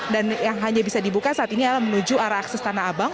dan yang hanya bisa dibuka saat ini adalah menuju arah akses tanah abang